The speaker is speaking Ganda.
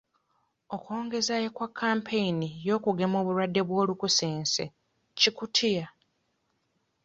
Okwongezaayo kwa kampeyini y'okugema obulwadde bw'olukusense-Kikutiya.